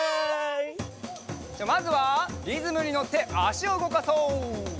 じゃあまずはリズムにのってあしをうごかそう。